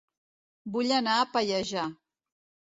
Vull anar a Pallejà